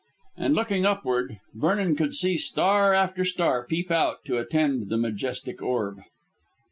And looking upward, Vernon could see star after star peep out to attend on the majestic orb.